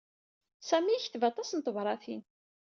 Sami yekteb aṭas n tebṛatin.